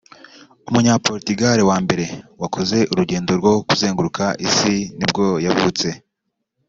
umunya-Portugal wa mbere wakoze urugendo rwo kuzenguruka isi nibwo yavutse